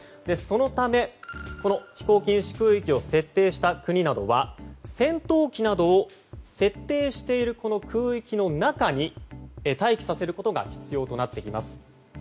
そのため飛行禁止空域を設定した国などは戦闘機などを設定している空域の中に待機させることが必要となってきます。